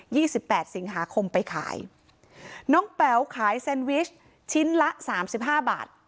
ี่สิบแปดสิงหาคมไปขายน้องแป๋วขายแซนวิชชิ้นละสามสิบห้าบาท